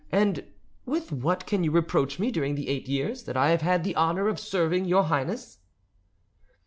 and with what can you reproach me during the eight years that I have had the honour of serving your Highness?"